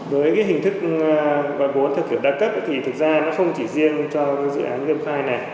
với hình thức gọi vốn theo kiểu đa cấp thì thực ra nó không chỉ riêng cho dự án game file này